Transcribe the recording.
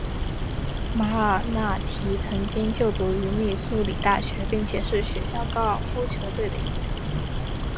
马尔纳提曾经就读于密苏里大学并且是学校高尔夫球队的一员。